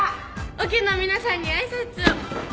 オケの皆さんに挨拶を。